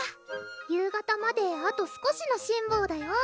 夕方まであと少しの辛抱だよ